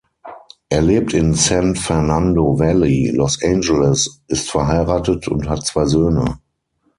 Er lebt in San Fernando Valley, Los Angeles, ist verheiratet und hat zwei Söhne.